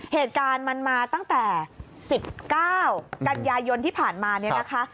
เหตุการณ์มันมาตั้งแต่๑๙กันยายนที่ผ่านมาเนี่ยนะคะ